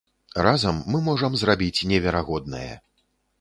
Разам мы можам зрабіць неверагоднае!